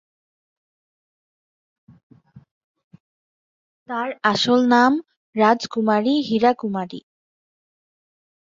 তার আসল নাম রাজকুমারী হীরা কুমারী।